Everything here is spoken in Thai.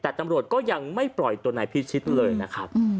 แต่ตำรวจก็ยังไม่ปล่อยตัวนายพิชิตเลยนะครับ